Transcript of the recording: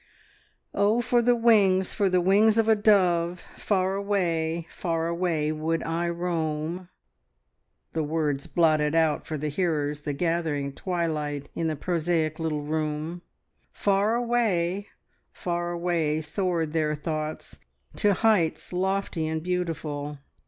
... "Oh, for the wings, for the wings of a dove; far away, far away would I roam." ... The words blotted out for the hearers the gathering twilight in the prosaic little room; far away, far away soared their thoughts to heights lofty and beautiful.